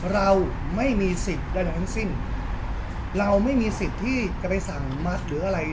เราไม่มีสิทธิ์ใดทั้งสิ้นเราไม่มีสิทธิ์ที่จะไปสั่งมัสหรืออะไร